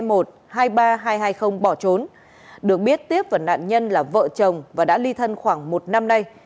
hai hai bỏ trốn được biết tiếp vẫn nạn nhân là vợ chồng và đã ly thân khoảng một năm nay